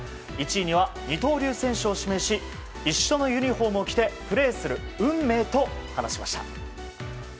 １位には二刀流選手を指名し一緒のユニホームを着てプレーする運命と話しました。